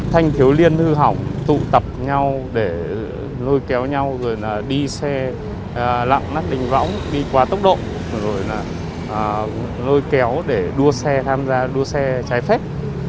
thanh thiếu liên hư hỏng tụ tập nhau để lôi kéo nhau rồi là đi xe lặng nát đỉnh võng đi qua tốc độ rồi là lôi kéo để đua xe tham gia đua xe trái phép